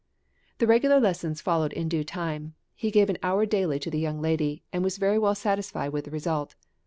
The regular lessons followed in due time; he gave an hour daily to the young lady, and was very well satisfied with the result.